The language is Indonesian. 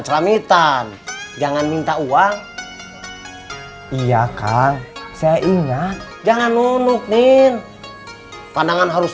ceramitan jangan minta uang iya kan saya ingat jangan nunuk nin pandangan harus